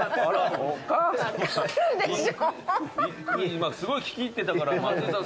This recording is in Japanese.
今すごい聞き入ってたから松居さん